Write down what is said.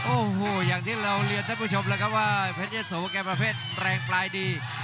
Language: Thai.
โอ้โหอย่างที่เราเรียนท่านผู้ชมแล้วครับว่าเพชรยะโสแกประเภทแรงปลายดี